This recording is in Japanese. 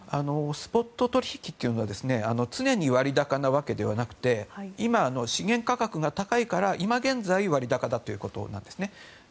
スポット取引というのは常に割高なわけではなくて今の資源価格が高いから今現在割高だということなんですね。